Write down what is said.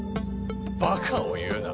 バカを言うな。